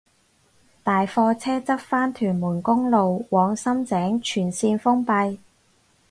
大貨車翻側屯門公路往深井全綫封閉